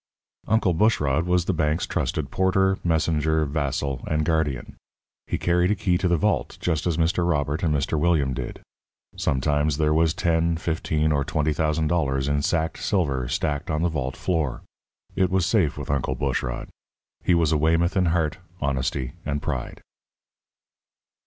Uncle Bushrod was the bank's trusted porter, messenger, vassal, and guardian. He carried a key to the vault, just as Mr. Robert and Mr. William did. Sometimes there was ten, fifteen, or twenty thousand dollars in sacked silver stacked on the vault floor. It was safe with Uncle Bushrod. He was a Weymouth in heart, honesty, and pride.